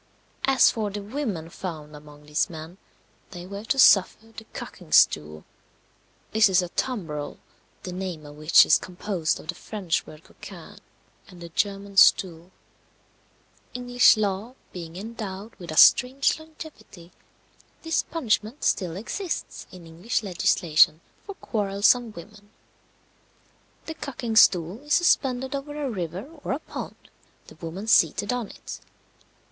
As for the women found among these men, they were to suffer the cucking stool this is a tumbrel, the name of which is composed of the French word coquine, and the German stuhl. English law being endowed with a strange longevity, this punishment still exists in English legislation for quarrelsome women. The cucking stool is suspended over a river or a pond, the woman seated on it.